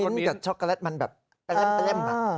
รสมิ้นกับช็อกโกแลตมันแบบเต็ม